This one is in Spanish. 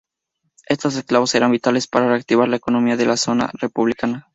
Estos esclavos eran vitales para reactivar la economía de la zona republicana.